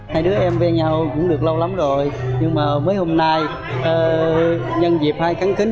hai đứa em bên nhau cũng được lâu lắm rồi nhưng mà mới hôm nay nhân dịp hai kháng kính